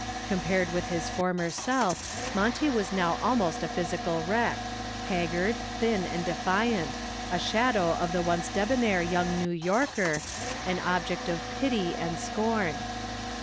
Compared with his former self, Monty was now almost a physical wreck, haggard, thin and defiant, a shadow of the once debonair young New Yorker, an object of pity and scorn.